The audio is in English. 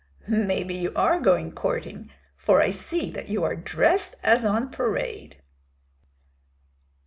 "Maybe you are going courting, for I see that you are dressed as on parade."